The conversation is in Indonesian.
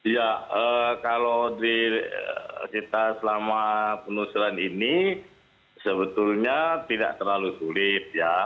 ya kalau kita selama penelusuran ini sebetulnya tidak terlalu sulit ya